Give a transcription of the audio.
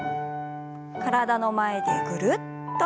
体の前でぐるっと。